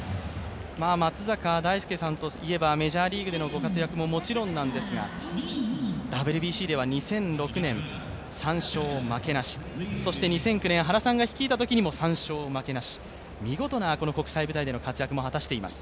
松坂大輔さんといえば、メジャーリーグでの活躍ももちろんなんですが、ＷＢＣでは２００６年、３勝負けなし、そして２００９年、原さんが率いたときにも３勝負けなし、見事な国際舞台での活躍も果たしています。